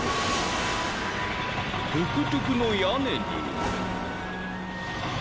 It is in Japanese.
トゥクトゥクのやねに。